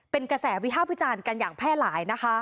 เป็นกระแสวิภาพวิจารณ์กันอย่างแพร่หลายนะคะ